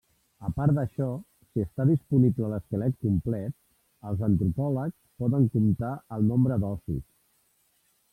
A part d'això, si està disponible l'esquelet complet, els antropòlegs poden comptar el nombre d'ossos.